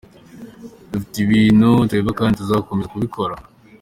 Dufite ibintu byinshi tureba kandi tuzakomeza kubikora.